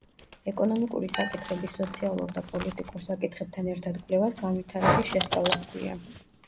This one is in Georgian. ეკონომიკური საკითხების სოციალურ და პოლიტიკურ საკითხებთან ერთად კვლევას განვითარების შესწავლა ჰქვია.